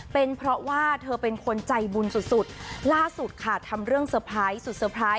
เป็นเพราะว่าเธอเป็นคนใจบุญสุดล่าสุดค่ะทำเรื่องสเตอร์ไพรส์